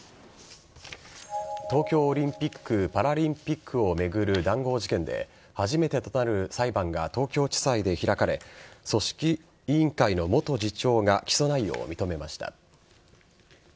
東京オリンピック・パラリンピックを巡る談合事件で初めてとなる裁判が東京地裁で開かれ組織委員会の元次長が起訴内容を認めました。